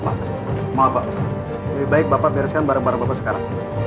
maaf pak lebih baik bapak bereskan barang barang bapak sekarang